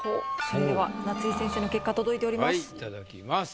それでは夏井先生の結果届いております。